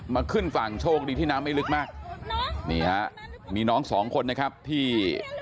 ขึ้นฝั่งโชคดีที่น้ำไม่ลึกมากนี่ฮะมีน้องสองคนนะครับที่